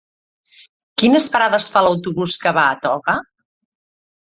Quines parades fa l'autobús que va a Toga?